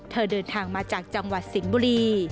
เดินทางมาจากจังหวัดสิงห์บุรี